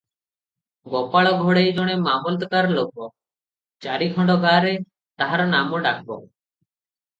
ଗୋପାଳ ଘଡ଼େଇ ଜଣେ ମାମଲତକାର ଲୋକ, ଚାରିଖଣ୍ଡ ଗାଁରେ ତାହାର ନାମ ଡାକ ।